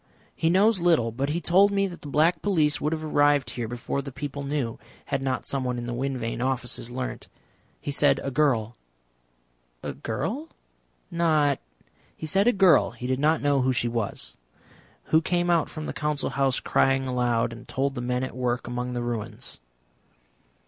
"He knows little, but he told me that the Black Police would have arrived here before the people knew had not someone in the Wind Vane Offices learnt. He said a girl." "A girl? Not ?" "He said a girl he did not know who she was. Who came out from the Council House crying aloud, and told the men at work among the ruins."